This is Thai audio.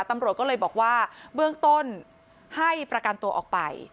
ตำรวจก็เลยบอกว่าเบื้องต้นให้ประกันตัวออกไป